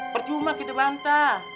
percuma gitu banta